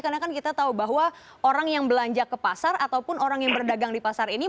karena kan kita tahu bahwa orang yang belanja ke pasar ataupun orang yang berdagang di pasar ini